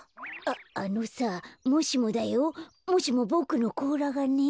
ああのさもしもだよもしもボクのこうらがね。